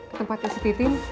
ke tempatnya si titim